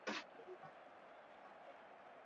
tangu mwaka elfu moja mia nane na nne